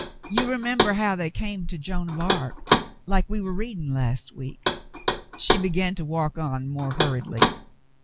You remember how they came to Joan of x\rc, like we were reading last week ?" She began to walk on more hurriedly.